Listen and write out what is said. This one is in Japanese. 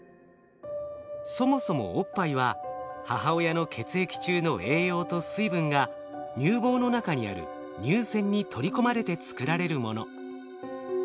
そもそもおっぱいは母親の血液中の栄養と水分が乳房の中にある乳腺に取り込まれて作られるもの。